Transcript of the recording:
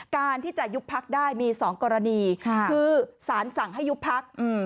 การที่จะยุบพักได้มี๒กรณีคือสารสั่งให้ยุบพัก